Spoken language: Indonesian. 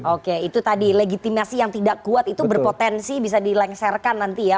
oke itu tadi legitimasi yang tidak kuat itu berpotensi bisa dilengsarkan nanti ya